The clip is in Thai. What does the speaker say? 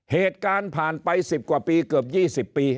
เหตุการณ์ผ่านไป๑๐กว่าปีเกือบ๒๐ปี